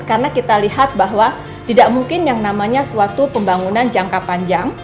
karena kita lihat bahwa tidak mungkin yang namanya suatu pembangunan jangka panjang